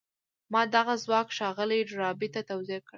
ما دغه ځواک ښاغلي ډاربي ته توضيح کړ.